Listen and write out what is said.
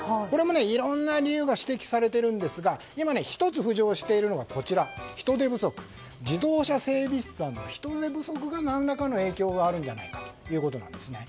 これもいろんな理由が指摘されているんですが１つ浮上しているのが人手不足、自動車整備士さんの人手不足が、何らかの影響があるんじゃないかということです。